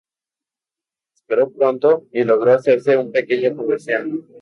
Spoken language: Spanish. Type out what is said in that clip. Prospero pronto y logro hacerse un pequeño comerciante.